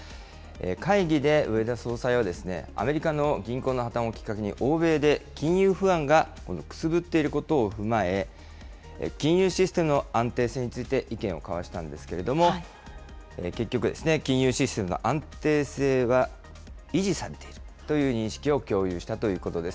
会議で植田総裁はアメリカの銀行の破綻をきっかけに欧米で金融不安がくすぶっていることを踏まえ、金融システムの安定性について意見を交わしたんですけれども、結局、金融システムの安定性は維持されているという認識を共有したということです。